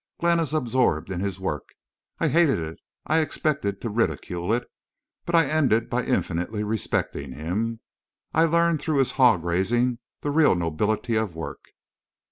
Glenn is absorbed in his work. I hated it—I expected to ridicule it. But I ended by infinitely respecting him. I learned through his hog raising the real nobility of work....